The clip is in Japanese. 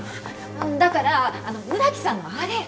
だから村木さんのアレ！